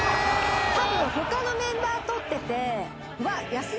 たぶん他のメンバー撮ってて。